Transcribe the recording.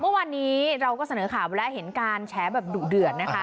เมื่อวานนี้เราก็เสนอข่าวไปแล้วเห็นการแฉแบบดุเดือดนะคะ